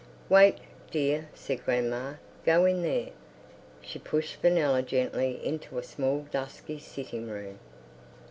"Wait, dear," said grandma. "Go in there." She pushed Fenella gently into a small dusky sitting room.